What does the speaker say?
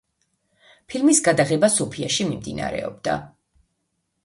ფილმის გადაღება სოფიაში მიმდინარეობდა.